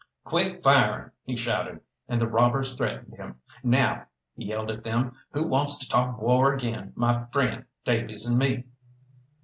"Quit firing!" he shouted, and the robbers threatened him. "Now," he yelled at them, "who wants to talk war agin my friend Davies and me?"